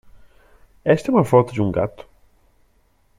Esta é uma foto de um gato?